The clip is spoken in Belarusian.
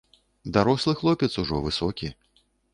Дарослы хлопец ужо, высокі.